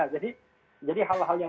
saja jadi hal hal yang